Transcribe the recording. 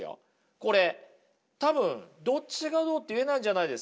これ多分どっちがどうって言えないんじゃないですか？